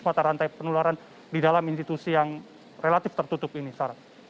mata rantai penularan di dalam institusi yang relatif tertutup ini sarah